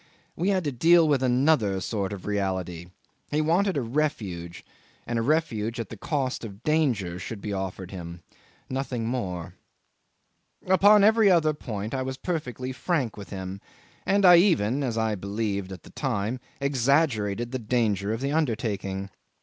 We had to deal with another sort of reality. He wanted a refuge, and a refuge at the cost of danger should be offered him nothing more. 'Upon every other point I was perfectly frank with him, and I even (as I believed at the time) exaggerated the danger of the undertaking.